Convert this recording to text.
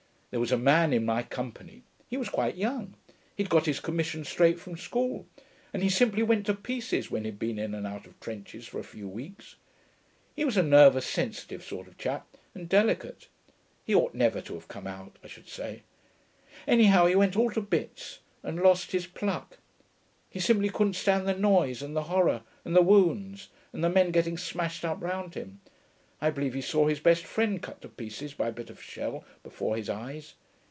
There was a man in my company; he was quite young; he'd got his commission straight from school; and he simply went to pieces when he'd been in and out of trenches for a few weeks. He was a nervous, sensitive sort of chap, and delicate; he ought never to have come out, I should say. Anyhow he went all to bits and lost his pluck; he simply couldn't stand the noise and the horror and the wounds and the men getting smashed up round him: I believe he saw his best friend cut to pieces by a bit of shell before his eyes.